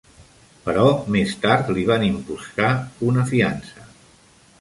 Però més tard li van imposar una fiança.